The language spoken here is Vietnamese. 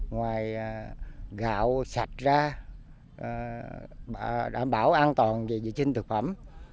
ngoài gạo sạch ra đảm bảo an toàn về dự trinh thực phẩm